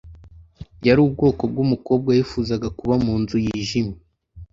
Yari ubwoko bwumukobwa wifuzaga kuba munzu yijimye.